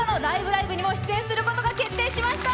ライブ！」にも出演することが決定しました！